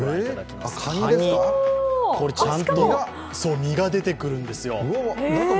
かに、これちゃんと身が出てくるんですよ。